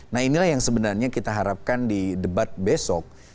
nah inilah yang sebenarnya kita harapkan di debat besok